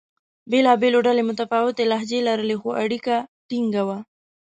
بېلابېلو ډلو متفاوتې لهجې لرلې؛ خو اړیکه ټینګه وه.